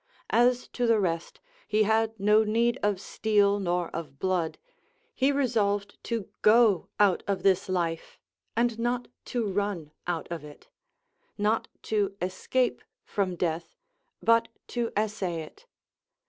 As to the rest, he had no need of steel nor of blood: he resolved to go out of this life and not to run out of it; not to escape from death, but to essay it.